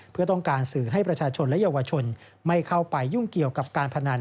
เพื่อต้องการสื่อให้ประชาชนและเยาวชนไม่เข้าไปยุ่งเกี่ยวกับการพนัน